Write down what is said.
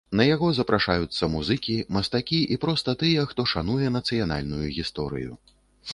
На яго запрашаюцца музыкі, мастакі і проста тыя, хто шануе нацыянальную гісторыю.